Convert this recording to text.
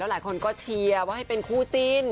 หลายคนก็เชียร์ว่าให้เป็นคู่จิ้น